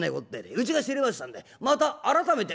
うちが知れましたんでまた改めて』。